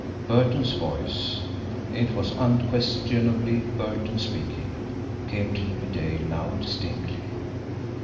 Burton's voice it was unquestionably Burton speaking came to Jimmie Dale now distinctly.